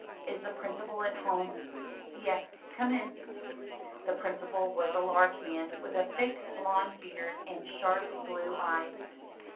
'Is the Principal at home?" "Yes, come in." The Principal was a large man with a thick, blond beard and sharp, blue eyes.